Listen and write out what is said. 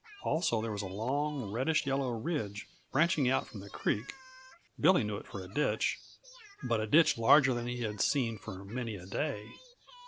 Also there was a long, reddish yellow ridge branching out from the creek; Billy knew it for a ditch but a ditch larger than he had seen for many a day.